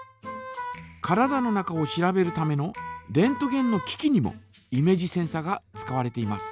体の中を調べるためのレントゲンの機器にもイメージセンサが使われています。